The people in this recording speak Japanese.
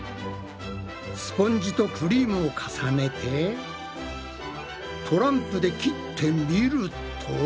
スポンジとクリームを重ねてトランプで切ってみると。